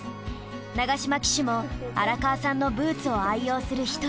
永島騎手も荒川さんのブーツを愛用する１人。